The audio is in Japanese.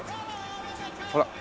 ほら。